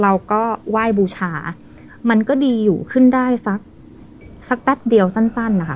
เราก็ไหว้บูชามันก็ดีอยู่ขึ้นได้สักสักแป๊บเดียวสั้นสั้นนะคะ